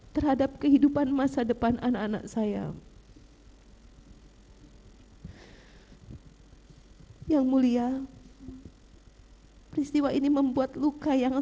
terhadap kehidupan masa depan anak anak saya yang mulia peristiwa ini membuat luka yang